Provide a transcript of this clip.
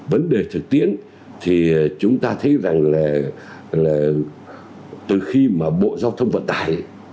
vấn đề thực tiễn thì chúng ta thấy rằng là từ khi mà bộ giao thông vận tải